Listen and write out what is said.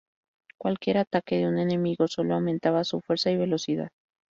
Cualquier ataque de un enemigo solo aumentaba su fuerza y velocidad.